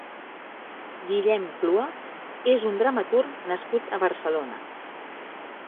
Guillem Clua és un dramaturg nascut a Barcelona.